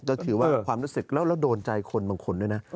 ก็คือว่าความรู้สึกแล้วโดนใจคนบางคนด้วยนะ